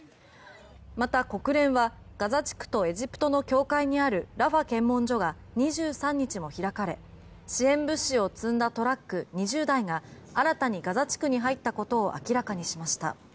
また、国連はガザ地区とエジプトの境界にあるラファ検問所が２３日も開かれ支援物資を積んだトラック２０台が新たにガザ地区に入ったことを明らかにしました。